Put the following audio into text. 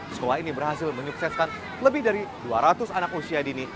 sekolah ini berhasil menyukseskan lebih dari dua ratus anak usia dini